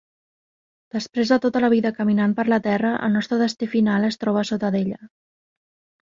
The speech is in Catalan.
Després de tota la vida caminant per la terra, el nostre destí final es troba a sota d'ella.